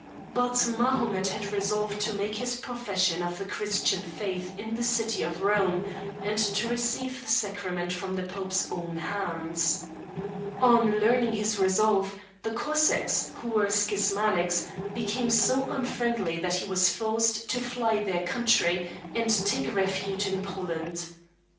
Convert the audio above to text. But Mahomet had resolved to make his profession of the Christian faith in the city of Rome, and to receive the sacrament from the Pope's own hands. On learning this resolve, the Cossacks, who were schismatics, became so unfriendly that he was forced to fly their country, and take refuge in Poland.